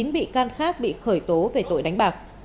chín bị can khác bị khởi tố về tội đánh bạc